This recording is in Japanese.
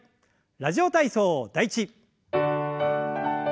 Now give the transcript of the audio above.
「ラジオ体操第１」。